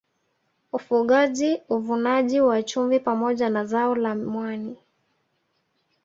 Ufugaji Uvunaji wa chumvi pamoja na zao la mwani